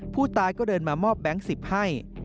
ผู้ตายก็เดินมามอบแบงค์๑๐ให้